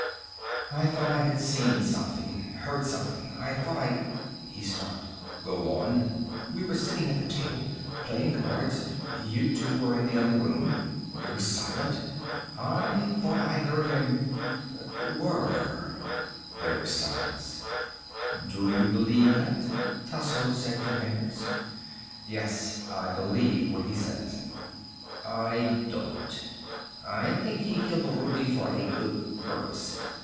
"I thought I had seen something. Heard something. I thought I " He stopped. "Go on." "We were sitting at the table. Playing cards. You two were in the other room. It was silent. I thought I heard him whirr." There was silence. "Do you believe that?" Tasso said to Hendricks. "Yes. I believe what he says." "I don't. I think he killed Rudi for a good purpose."